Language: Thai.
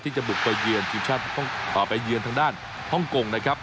ที่จะบุกไปเยือนทางด้านฮ่องกงนะครับ